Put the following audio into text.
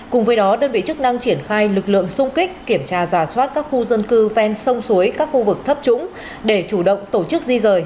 cùng với đó đơn vị chức năng triển khai lực lượng sung kích kiểm tra giả soát các khu dân cư ven sông suối các khu vực thấp trũng để chủ động tổ chức di rời